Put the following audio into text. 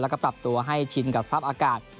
แล้วก็ปรับตัวให้ชินกับสภาพอากาศ